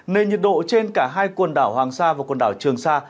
nền nhiệt độ trên cả hai quần đảo hoàng sa và quần đảo trường sa